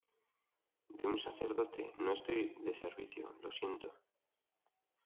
de un sacerdote, no estoy de servicio. lo siento .